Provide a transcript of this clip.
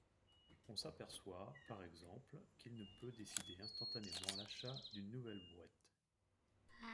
On s'aperçoit, par exemple, qu'il ne peut décider instantanément l'achat d'une nouvelle brouette.